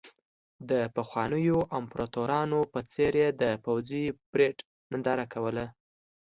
د پخوانیو امپراتورانو په څېر یې د پوځي پرېډ ننداره کوله.